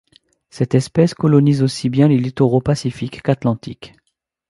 Cette espèce colonise aussi bien les littoraux pacifique qu'atlantique.